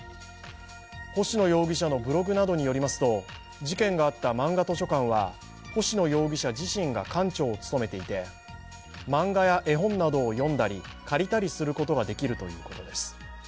星野容疑者のブログなどによりますと事件があったまんが図書館は星野容疑者自身が館長を務めていて漫画や絵本などを読んだり借りたりすることができるということです。